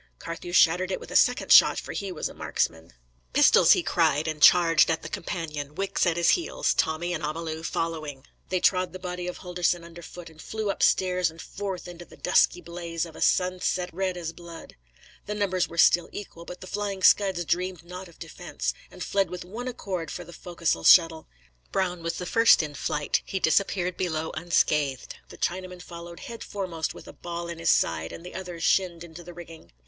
Carthew shattered it with a second shot, for he was a marksman. "Pistols!" he cried, and charged at the companion, Wicks at his heels, Tommy and Amalu following. They trod the body of Holdorsen underfoot, and flew up stairs and forth into the dusky blaze of a sunset red as blood. The numbers were still equal, but the Flying Scuds dreamed not of defence, and fled with one accord for the forecastle scuttle. Brown was first in flight; he disappeared below unscathed; the Chinaman followed head foremost with a ball in his side; and the others shinned into the rigging.